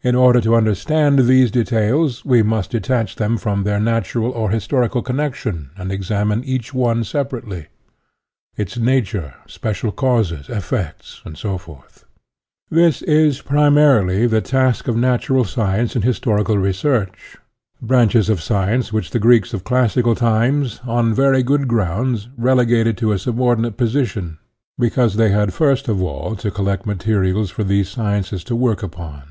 In order to understand these details we must detach them from their natural or historical connection and ex amine each one separately, its nature, special causes, effects, etc. This is, primarily, the task of natural science and historical re search ; branches of science which the Greeks of classical times, on very good grounds, relegated to a subordinate position, because they had first of all to collect materials for these sciences to work upon.